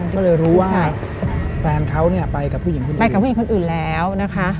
ก็เลยรู้ว่าแฟนเขาเนี่ยไปกับผู้หญิงขึ้นไปกับผู้หญิงคนอื่นแล้วนะคะ